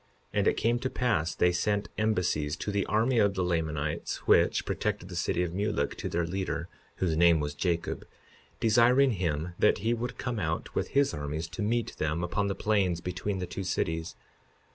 52:20 And it came to pass they sent embassies to the army of the Lamanites, which protected the city of Mulek, to their leader, whose name was Jacob, desiring him that he would come out with his armies to meet them upon the plains between the two cities.